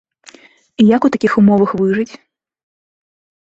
І як у такіх умовах выжыць?